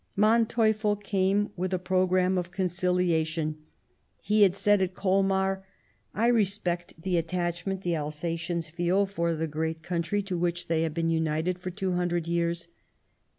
Manteuffel came with a programme of conciliation ; he had said at Colmar :" I respect the attachment the Alsatians feel for the great country to which they have been united for two hundred years.